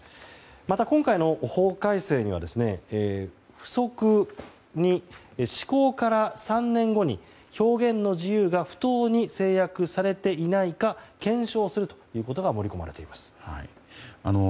また今回の法改正には付則に、施行から３年後に表現の自由が不当に制約されていないか検証するということが盛り込まれています。